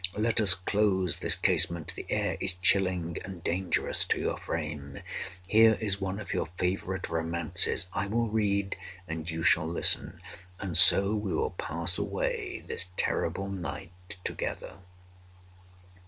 Let us close this casement;—the air is chilling and dangerous to your frame. Here is one of your favorite romances. I will read, and you shall listen;—and so we will pass away this terrible night together."